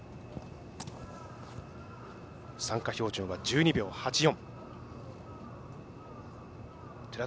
参加標準は１２秒８４。